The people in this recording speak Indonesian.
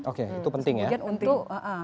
oke itu penting ya